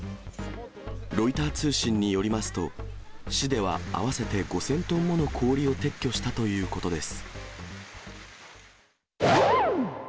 ロイター通信によりますと、市では合わせて５０００トンもの氷を撤去したということです。